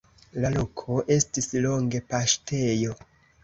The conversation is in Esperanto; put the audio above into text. La loko estis longe paŝtejo.